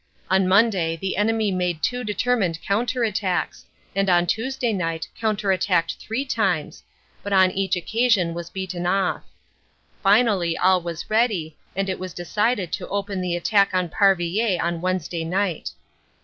On Monday the enemy made two determined counter attacks, and on Tuesday night counter attacked three times, but on each occasion was beaten off. Finally all was ready and it was decided to open the attack on Parvillers on Wednesday night.